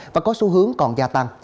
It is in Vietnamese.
và có xu hướng còn gia tăng